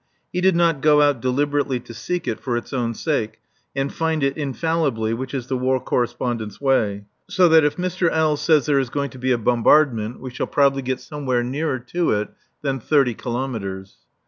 He did not go out deliberately to seek it, for its own sake, and find it infallibly, which is the War Correspondent's way. So that if Mr. L. says there is going to be a bombardment, we shall probably get somewhere nearer to it than thirty kilometres.